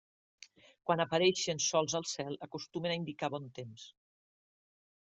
Quan apareixen sols al cel acostumen a indicar bon temps.